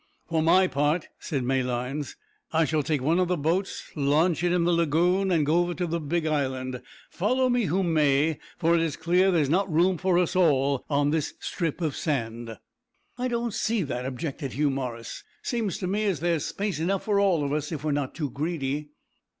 "For my part," said Malines, "I shall take one o' the boats, launch it in the lagoon, and go over to the big island, follow me who may, for it is clear that there's not room for us all on this strip of sand." "I don't see that," objected Hugh Morris. "Seems to me as there's space enough for all of us, if we're not too greedy."